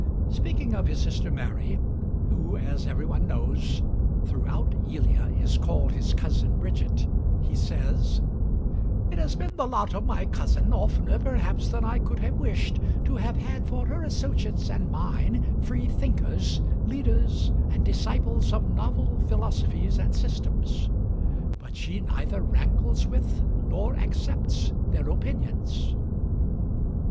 Speaking of his sister Mary, who, as every one knows, throughout 'Elia' is called his cousin Bridget, he says: "It has been the lot of my cousin, oftener perhaps than I could have wished, to have had for her associates and mine free thinkers, leaders and disciples of novel philosophies and systems; but she neither wrangles with nor accepts their opinions."